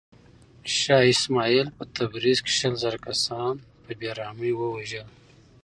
شاه اسماعیل په تبریز کې شل زره کسان په بې رحمۍ ووژل.